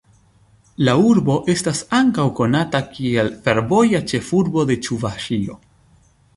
La urbo estas ankaŭ konata kiel ""fervoja ĉefurbo de Ĉuvaŝio"".